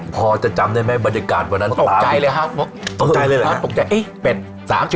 พอจะจำได้ไหมบรรยากาศวันนั้น